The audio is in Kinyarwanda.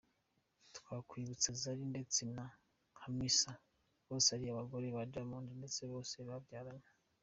Twakwibutsa Zari ndetse na Hamisa bose ari abagore ba Diamond ndetse bose babyaranye.